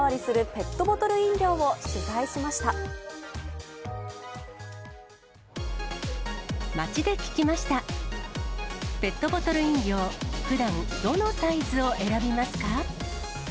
ペットボトル飲料、ふだん、どのサイズを選びますか？